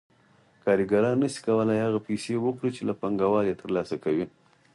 کارګران نشي کولای هغه پیسې وخوري چې له پانګوال یې ترلاسه کوي